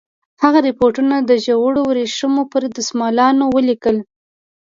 هغه رپوټونه د ژړو ورېښمو پر دسمالونو ولیکل.